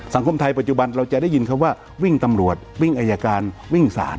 สังคมไทยปัจจุบันเราจะได้ยินคำว่าวิ่งตำรวจวิ่งอายการวิ่งสาร